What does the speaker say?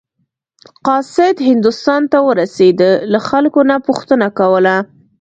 قاصد هندوستان ته ورسېده له خلکو نه پوښتنه کوله.